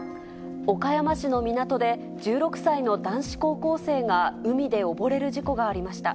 岡山市の港で、１６歳の男子高校生が海で溺れる事故がありました。